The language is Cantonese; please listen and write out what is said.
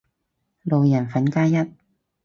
路人粉加一